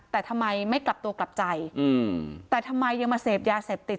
แต่ทำไมไม่กลับตัวกลับใจอืมแต่ทำไมยังมาเสพยาเสพติด